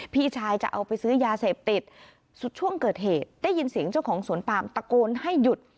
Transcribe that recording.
พี่ชายจะเอาไปซื้อยาเสพติดสุดช่วงเกิดเหตุได้ยินเสียงเจ้าของสวนปามตะโกนให้หยุด